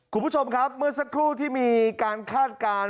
คุณผู้ชมครับเมื่อสักครู่ที่มีการคาดการณ์